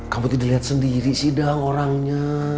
kamu tidak lihat sendiri sih dang orangnya